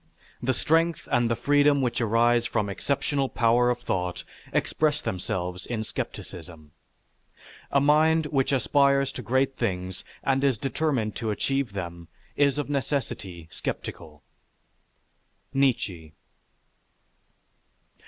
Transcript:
The strength and the freedom which arise from exceptional power of thought express themselves in skepticism.... A mind which aspires to great things and is determined to achieve them is of necessity skeptical_. NIETZSCHE.